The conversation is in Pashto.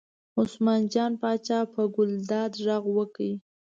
عثمان جان پاچا په ګلداد غږ وکړ.